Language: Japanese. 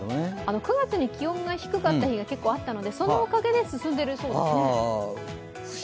９月に気温が低かった日が結構あったのでそのおかげで進んでいるそうですね。